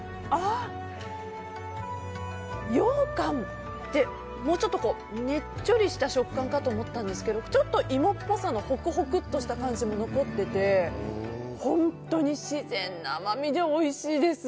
ようかんってもうちょっと、ねっちょりした食感かと思ったんですけどちょっと芋っぽさのホクホクとした感じも残っていて本当に自然な甘みでおいしいです。